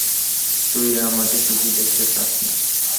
তুই আমাকে সুখী দেখতে চাস না?